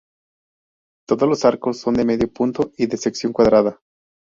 Todos los arcos son de medio punto y de sección cuadrada.